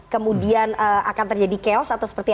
kemudian akan terjadi chaos atau seperti